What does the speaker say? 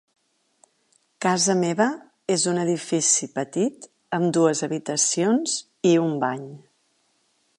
Casa meva és un edifici petit amb dues habitacions i un bany.